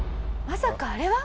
まさかあれは！」。